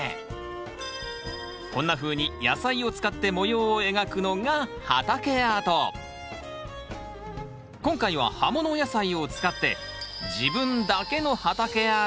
こんなふうに野菜を使って模様を描くのが今回は葉もの野菜を使って自分だけの畑アートにチャレンジです！